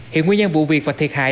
hiện nguyên nhân vụ việc và thiệt hại